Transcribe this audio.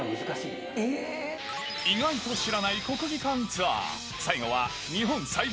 意外と知らない国技館ツアー。